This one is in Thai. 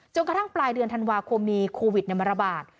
กระทั่งปลายเดือนธันวาคมมีโควิดมาระบาด